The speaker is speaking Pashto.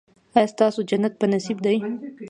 ایا ستاسو جنت په نصیب دی؟